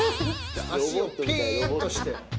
足をピン！として。